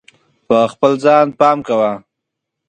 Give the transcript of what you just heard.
په خپل ځان پام کوه.